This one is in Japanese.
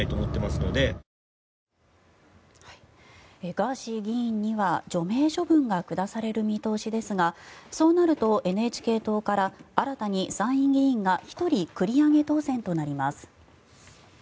ガーシー議員には除名処分が下される見通しですがそうなるとＮＨＫ党から新たに参議院議員が１人、繰り上げ当選となります。